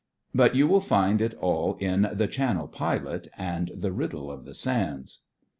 But you will find it all in "The Channel PUot" and "The Riddle of the Sands."